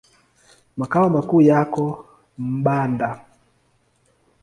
Makao makuu yako Mpanda.